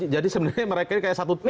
jadi sebenarnya mereka ini kayak satu tim ya